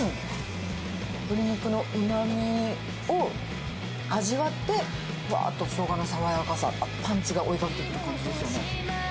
鶏肉のうまみを味わって、ふわーっとショウガの爽やかさ、あとパンチが追いかけてくるって感じですね。